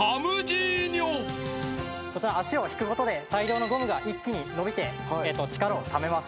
こちら足を引くことで大量のゴムが一気に伸びて力をためます。